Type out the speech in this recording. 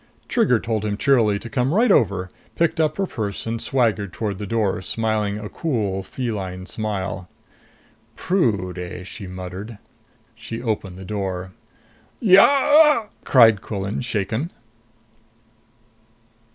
Trigger told him cheerily to come right over, picked up her purse and swaggered toward the door, smiling a cool, feline smile. "Prude, eh?" she muttered. She opened the door. "Ya arghk!" cried Quillan, shaken.